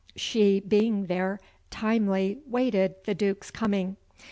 She being there timely waited the Duke's coming.